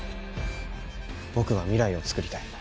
僕は未来をつくりたい。